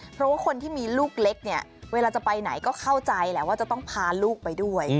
เพราะว่าคนที่มีลูกเล็กเนี่ยเวลาจะไปไหนก็เข้าใจแหละว่าจะต้องพาลูกไปด้วย